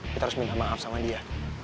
kita harus minta maaf sama dia